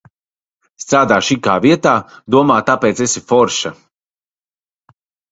Strādā šikā vietā, domā, tāpēc esi forša.